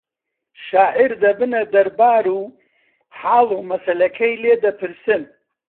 شاعیر دەبەنە دەربار و حاڵ و مەسەلەکەی لێ دەپرسن